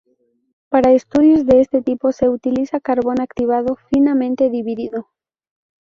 Para estudios de este tipo se utiliza carbón activado finamente dividido.